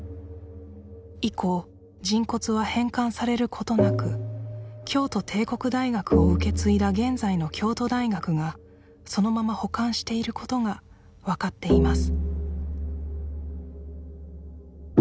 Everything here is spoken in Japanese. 以降人骨は返還されることなく京都帝国大学を受け継いだ現在の京都大学がそのまま保管していることが分かっています